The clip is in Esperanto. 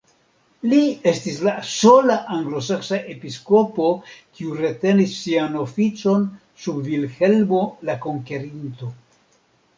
Li estis la sola anglosaksa episkopo kiu retenis sian oficon sub Vilhelmo la Konkerinto.